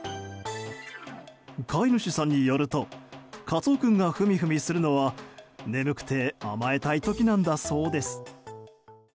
飼い主さんによるとカツヲ君がフミフミするのは眠くて甘えたい時なんだそうです。